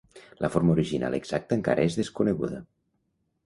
La forma original exacta encara és desconeguda.